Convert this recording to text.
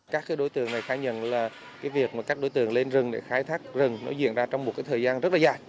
các đối tượng này khai nhận là việc các đối tượng lên rừng để khai thác rừng diễn ra trong một thời gian rất dài